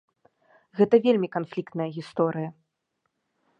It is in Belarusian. Гэта вельмі канфліктная гісторыя.